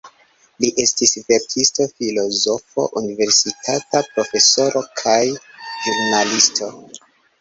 Li estis verkisto, filozofo, universitata profesoro kaj ĵurnalisto.